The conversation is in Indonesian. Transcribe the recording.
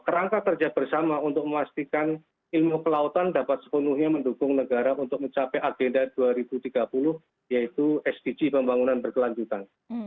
kerangka kerja bersama untuk memastikan ilmu kelautan dapat sepenuhnya mendukung negara untuk mencapai agenda dua ribu tiga puluh yaitu sdg pembangunan berkelanjutan